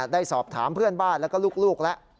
ได้สอบถามเพื่อนบ้านแล้วก็ลูกแล้ว